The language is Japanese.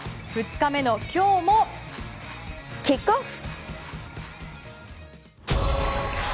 ２日目の今日もキックオフ！